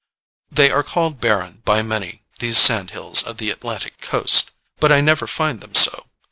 They are called barren by many, these sandhills of the Atlantic coast, but I never find them so.